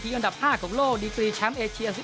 อันดับ๕ของโลกดีกรีแชมป์เอเชีย